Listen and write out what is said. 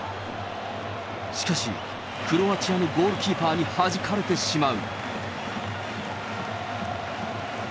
しかし、クロアチアのゴールキーパーにはじかれてしまう。